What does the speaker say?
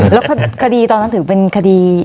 แล้วคดีตอนนั้นถือเป็นคดี